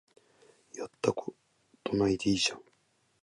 やったことないでいいじゃん